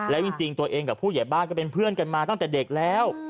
แล้วจริงตัวเองกับผู้ใหญ่บ้านก็เป็นเพื่อนกันมาตั้งแต่เด็กแล้ว